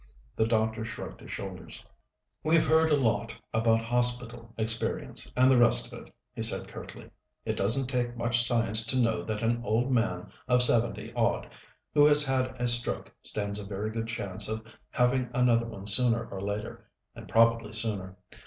The doctor shrugged his shoulders. "We've heard a lot about 'hospital experience' and the rest of it," he said curtly. "It doesn't take much science to know that an old man of seventy odd who has had a stroke stands a very good chance of having another one sooner or later and probably sooner.